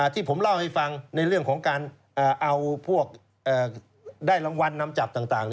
ที่ผมเล่าให้ฟังในเรื่องของการเอาพวกได้รางวัลนำจับต่าง